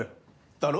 だろ？